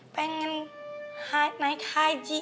pengen naik haji